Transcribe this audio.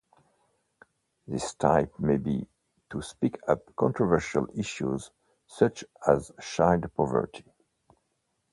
This type may be to speak up controversial issues such as child poverty.